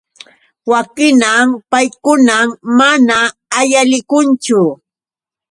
Wakhinam paykuna mana uyalikunchu.